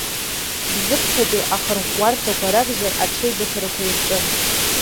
Бзыԥҭатәи ахырӷәӷәарҭақәа ракәзар, аҽеибыҭарақәа ирҿын.